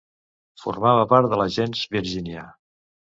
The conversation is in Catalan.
Formava part de la gens Virgínia.